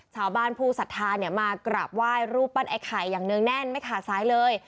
ชาวบ้านผู้สัทธาเนี่ยมากราบไหว้รูปปั้นไอ้ไข่อย่างเนื่องแน่นไม่ขาดสายเลย